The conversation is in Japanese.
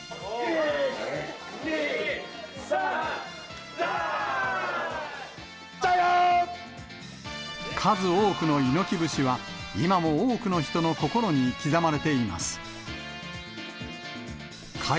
１、２、３、数多くの猪木節は、今も多くの人の心に刻まれています。